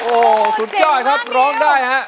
โอ้สุดยอดครับร้องได้ครับ